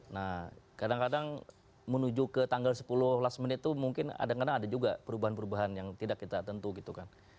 nah kadang kadang menuju ke tanggal sepuluh last minute itu mungkin kadang kadang ada juga perubahan perubahan yang tidak kita tentu gitu kan